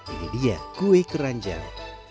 ini dia kue keranjang